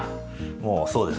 もうそうですね。